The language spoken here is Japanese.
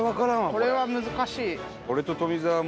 これは難しい。